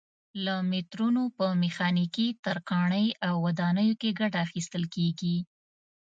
له مترونو په میخانیکي، ترکاڼۍ او ودانیو کې ګټه اخیستل کېږي.